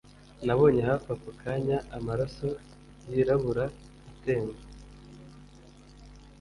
Nabonye hafi ako kanya amaraso yirabura atemba